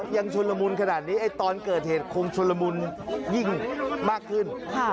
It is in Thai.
ชุนละมุนขนาดนี้ตอนเกิดเหตุคงชุนละมุนยิ่งมากขึ้น